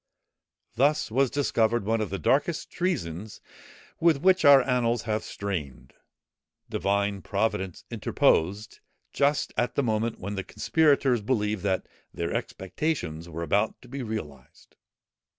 Thus was discovered, one of the darkest treasons with which our annals are stained. Divine Providence interposed, just at the moment when the conspirators believed that their expectations were about to be realized.